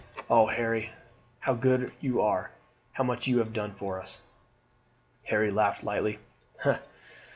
"Oh, Harry, how good you are! How much you have done for us!" Harry laughed lightly.